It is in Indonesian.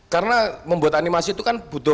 karena membuat animasi itu kan butuh pengetahuan